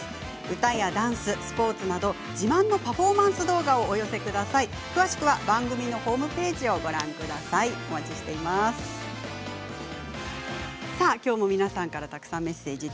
歌やダンス、スポーツなど自慢のパフォーマンス動画をお寄せください。